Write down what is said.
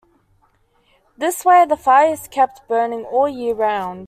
This way the fire is kept burning all year round.